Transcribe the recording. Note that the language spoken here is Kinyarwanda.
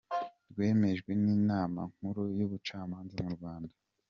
Rwemejwe n’inama nkuru y’ubucamanza mu Rwanda.